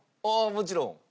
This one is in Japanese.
あっもちろん。